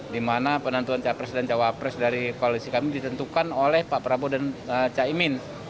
di mana penentuan capres dan cawapres dari koalisi kami ditentukan oleh pak prabowo dan caimin